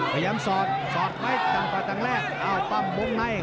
พยายามสอดสอดไปต่างแรกเอาปั้มมุ่งไหน